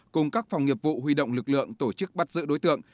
cùng các phòng nghiệp vụ huy động lực lượng tổ chức bắt giữ đối tượng